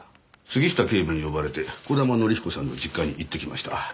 杉下警部に呼ばれて児玉則彦さんの実家に行ってきました。